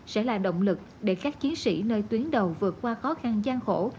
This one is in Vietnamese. sẽ là động lực để các chiến sĩ nơi tuyến đầu vượt qua khó khăn gian khổ